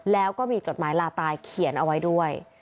แล้วก็มีจดหมายลาตายเขียนเอาไว้ด้วย